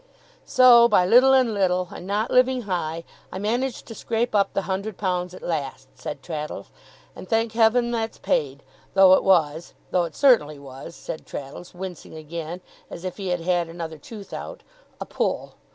'So, by little and little, and not living high, I managed to scrape up the hundred pounds at last,' said Traddles; 'and thank Heaven that's paid though it was though it certainly was,' said Traddles, wincing again as if he had had another tooth out, 'a pull.